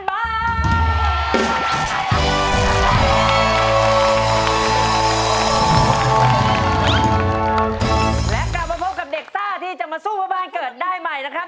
และกลับมาพบกับเด็กซ่าที่จะมาสู้เพื่อบ้านเกิดได้ใหม่นะครับ